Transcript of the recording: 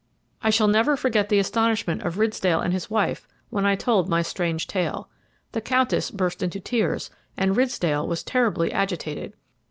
I shall never forget the astonishment of Ridsdale and his wife when I told my strange tale. The Countess burst into tears, and Ridsdale was terribly agitated.